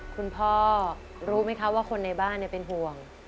คุณพ่อรู้ไหมคะว่าคนในบ้านเป็นห่วง